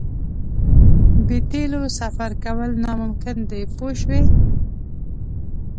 بې تیلو سفر کول ناممکن دي پوه شوې!.